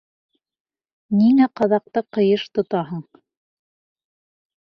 Ниңә ҡаҙаҡты ҡыйыш тотаһың?